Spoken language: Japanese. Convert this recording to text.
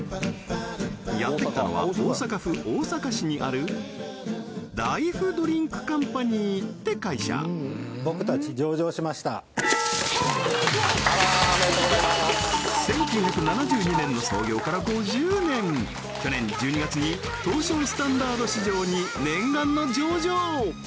やって来たのは大阪府大阪市にあるライフドリンクカンパニーって会社１９７２年の創業から５０年去年１２月に東証スタンダード市場に念願の上場！